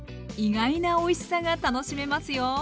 意外なおいしさが楽しめますよ。